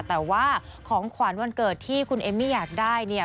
แต่ว่าของขวัญวันเกิดที่คุณเอมมี่อยากได้เนี่ย